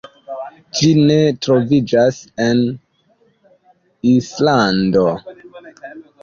Ĝi ne troviĝas en Islando.